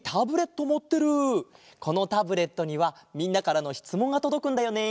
このタブレットにはみんなからのしつもんがとどくんだよね。